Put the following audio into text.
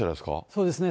そうですね。